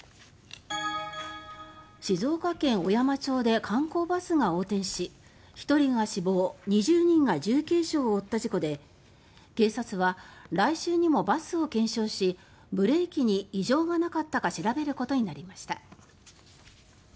静岡県小山町で観光バスが横転し１人が死亡２０人が重軽傷を負った事故で警察は、来週にもバスを検証しブレーキに異常がなかったか調べることになりました。